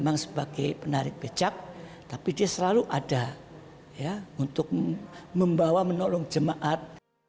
memang sebagai penarik becak tapi dia selalu ada ya untuk membawa menolong jemaat